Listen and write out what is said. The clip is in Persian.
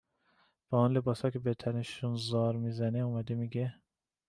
با اون لباسا که به تنشون زار می زنه، اومده می گه